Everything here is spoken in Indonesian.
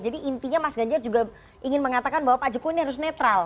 jadi intinya mas ganjar juga ingin mengatakan bahwa pak jokowi ini harus netral